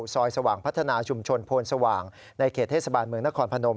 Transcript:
สว่างพัฒนาชุมชนโพนสว่างในเขตเทศบาลเมืองนครพนม